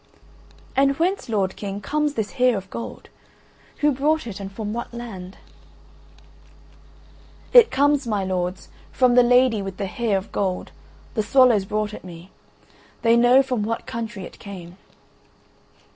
"And whence, lord King, comes this Hair of Gold; who brought it and from what land?" "It comes, my lords, from the Lady with the Hair of Gold, the swallows brought it me. They know from what country it came."